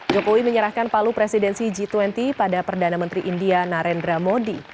jokowi menyerahkan palu presidensi g dua puluh pada perdana menteri india narendra modi